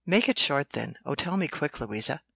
"Make it short then. O tell me quick, Louisa.